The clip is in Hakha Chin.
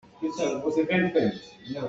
Lei thuan nak caah naa pahnih ka ngei.